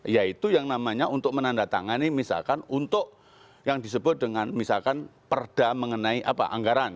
yaitu yang namanya untuk menandatangani misalkan untuk yang disebut dengan misalkan perda mengenai anggaran